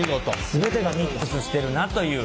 全てがミックスしてるなという。